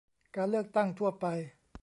การเลือกตั้งทั่วไป